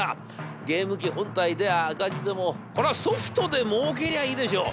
ゲーム機本体では赤字でもソフトで儲けりゃいいでしょう。